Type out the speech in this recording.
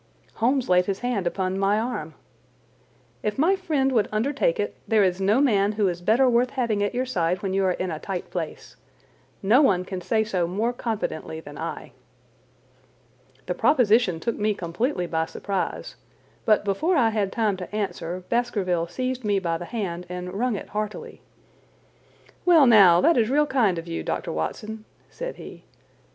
Holmes laid his hand upon my arm. "If my friend would undertake it there is no man who is better worth having at your side when you are in a tight place. No one can say so more confidently than I." The proposition took me completely by surprise, but before I had time to answer, Baskerville seized me by the hand and wrung it heartily. "Well, now, that is real kind of you, Dr. Watson," said he.